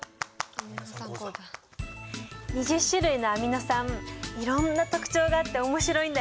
２０種類のアミノ酸いろんな特徴があって面白いんだよ！